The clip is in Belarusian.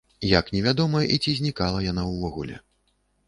Як невядома і ці знікала яна ўвогуле.